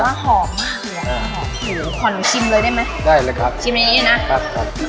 หอมมากเลยอ่ะหอมชิมเลยได้ไหมได้เลยครับชิมอย่างงี้นะครับครับ